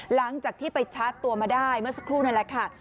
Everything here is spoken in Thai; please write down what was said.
หลังจากที่ไปชาร์จตัวมาได้เมื่อสักครู่นั่นแหละค่ะ